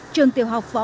trường tiểu học phó